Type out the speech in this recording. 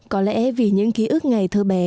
có lẽ vì những ký ức ngày thơ bé